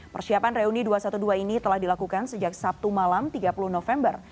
persiapan reuni dua ratus dua belas ini telah dilakukan sejak sabtu malam tiga puluh november